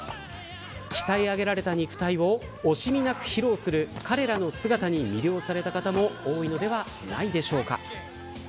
鍛え上げられた肉体を惜しみなく披露する彼らの姿に魅了された方も多いのではないでしょうか。